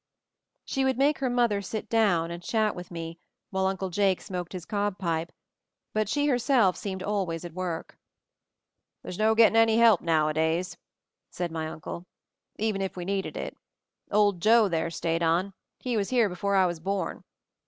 She would make her mother sit down and 284 MOVING THE MOUNTAIN chat with me, while Uncle Jake smoked his cob pipe, but she herself seemed always at work. "There's no getting any help nowadays," said my Uncle. "Even if we needed it. Old Joe there stayed on — he was here before I was born.